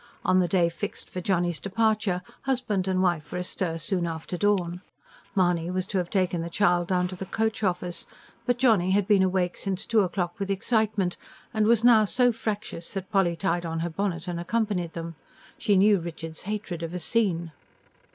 On the day fixed for Johnny's departure husband and wife were astir soon after dawn. Mahony was to have taken the child down to the coach office. But Johnny had been awake since two o'clock with excitement, and was now so fractious that Polly tied on her bonnet and accompanied them. She knew Richard's hatred of a scene.